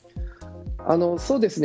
そうですね。